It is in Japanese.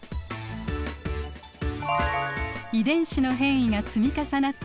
遺伝子の変異が積み重なって